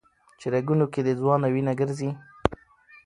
چي رګونو كي دي ځوانه وينه ګرځي